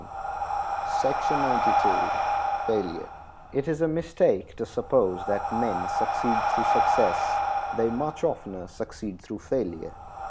] It is a mistake to suppose that men succeed through success; they much oftener succeed through failure.